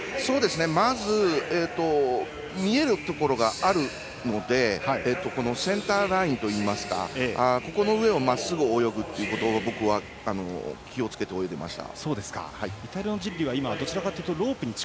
まず見えるところがあるのでセンターラインというかその上をまっすぐ泳ぐことを僕は気をつけて泳いでいました。